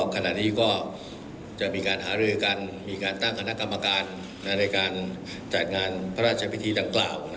ขณะนี้ก็จะมีการหารือกันมีการตั้งคณะกรรมการในการจัดงานพระราชพิธีดังกล่าว